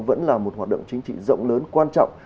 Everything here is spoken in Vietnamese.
vẫn là một hoạt động chính trị rộng lớn quan trọng